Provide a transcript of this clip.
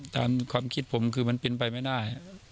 ความคิดผมคือมันเป็นไปไม่ได้